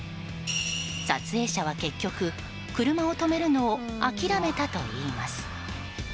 撮影者は結局、車を止めるのを諦めたといいます。